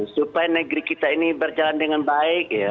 supaya negeri kita ini berjalan dengan baik ya